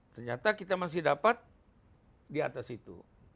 ternyata kita masih dapat di atas itu